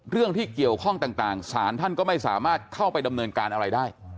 เรื่องที่เกี่ยวข้องต่างศาลท่านก็ไม่สามารถเข้าไปดำเนินการอะไรได้